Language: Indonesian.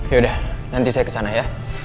yaudah nanti saya kesana ya